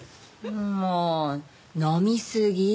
もう飲みすぎ。